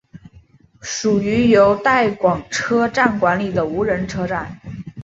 属于由带广车站管理的无人车站。